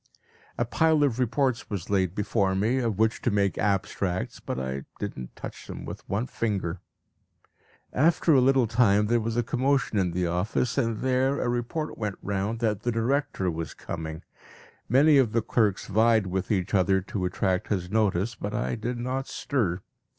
A pile of reports was laid before me, of which to make abstracts, but I did not touch them with one finger. After a little time there was a commotion in the office, and there a report went round that the director was coming. Many of the clerks vied with each other to attract his notice; but I did not stir.